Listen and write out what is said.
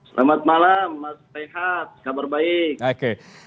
selamat malam mas rehat kabar baik